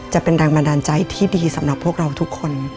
จะเป็นแรงบันดาลใจที่ดีสำหรับพวกเราทุกคน